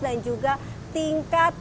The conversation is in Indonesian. dan juga tingkatnya